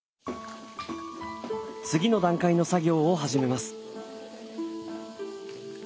次の段階の作業を始めます。